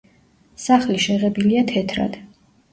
სახლი შეღებილია თეთრად.